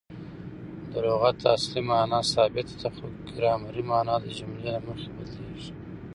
د لغت اصلي مانا ثابته ده؛ خو ګرامري مانا د جملې له مخه بدلیږي.